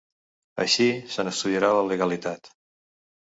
Així, se n’estudiarà la legalitat.